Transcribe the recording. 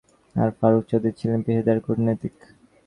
আর ফারুক চৌধুরী ছিলেন পেশাদার কূটনীতিক।